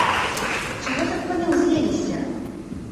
Чаго так паны ўз'еліся?